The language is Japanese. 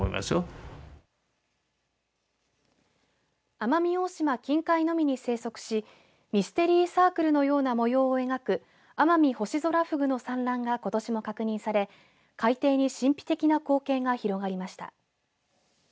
奄美大島近海のみに生息しミステリーサークルのような模様を描くアマミホシゾラフグの産卵がことしも確認され海底に神秘的な光景が広がりました。